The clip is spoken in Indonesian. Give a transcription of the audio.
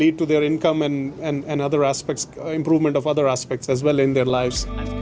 yang akan menyebabkan kembang dan peningkatan aspek lain dalam hidup mereka